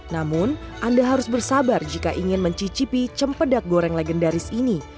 namun anda harus bersabar jika ingin mencicipi cempedak goreng legendaris ini